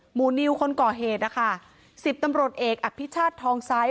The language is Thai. นิวคนก่อเหตุนะคะสิบตำรวจเอกอภิชาติทองซ้าย